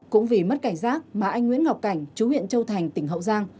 cũng vì mất cảnh giác mà anh nguyễn ngọc cảnh chú huyện châu thành tỉnh hậu giang